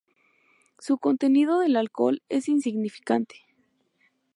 Su contenido de alcohol es insignificante.